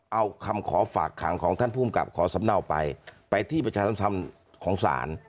เอาคำขอฝากขังของท่านภูมิกับขอสำเนาไปไปที่ประชาธรรมของศาล